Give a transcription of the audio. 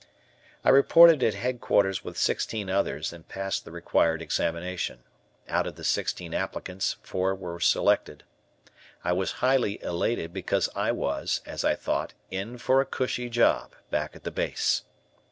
I reported at Headquarters with sixteen others and passed the required examination. Out of the sixteen applicants four were selected. I was highly elated because I was, as I thought, in for a cushy job back at the base.